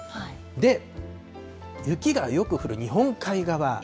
で、雪がよく降る日本海側。